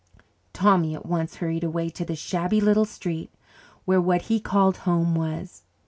Tommy at once hurried away to the shabby little street where what he called "home" was.